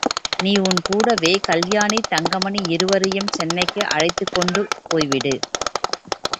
நீ உன் கூடவே, கல்யாணி, தங்கமணி இருவரையும் சென்னைக்கு அழைத்துக் கொண்டு போய்விடு.